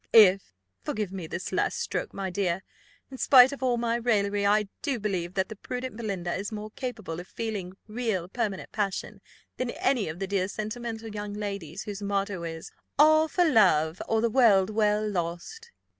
If! forgive me this last stroke, my dear in spite of all my raillery, I do believe that the prudent Belinda is more capable of feeling real permanent passion than any of the dear sentimental young ladies, whose motto is 'All for love, or the world well lost.